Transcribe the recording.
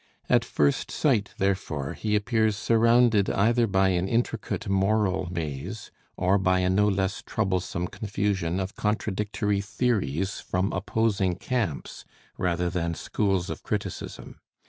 At first sight, therefore, he appears surrounded either by an intricate moral maze, or by a no less troublesome confusion of contradictory theories from opposing camps rather than schools of criticism.